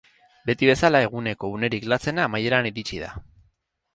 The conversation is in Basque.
Beti bezala, eguneko unerik latzena amaieran iritsi da.